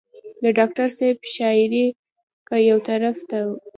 د ډاکټر صېب شاعري کۀ يو طرف ته